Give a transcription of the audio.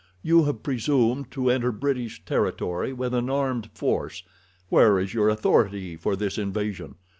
You have presumed to enter British territory with an armed force. Where is your authority for this invasion?